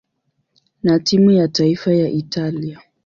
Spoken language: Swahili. na timu ya taifa ya Italia.